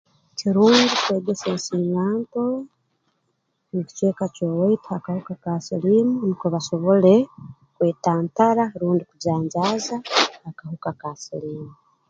Kirungi kwegesa ensinganto mu kicweka ky'owaitu ha kahuka ka siliimu nukwe basobole kwetantara rundi kujanjaaza akahuka ka siliimu